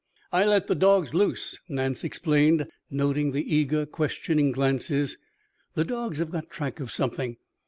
"I let the dogs loose," Nance explained, noting the eager, questioning glances. "The dogs have got track of something.